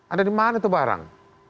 ada dimana itu barang